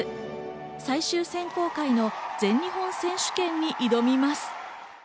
最終選考会の全日本選手権に挑みます。